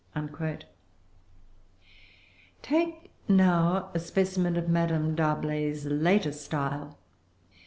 "[Pg 391] Take now a specimen of Madame D'Arblay's later style.